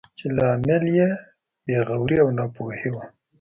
چې لامل یې بې غوري او ناپوهي وه.